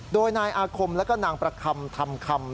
โดยนายอาคมและนางประคำทำคำ